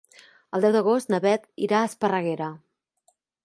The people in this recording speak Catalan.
El deu d'agost na Beth irà a Esparreguera.